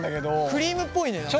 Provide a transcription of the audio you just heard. クリームっぽいね何か。